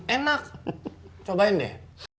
enak cobain deh